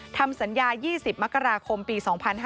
ทำสัญญา๒๐มกราคมปี๒๕๕๙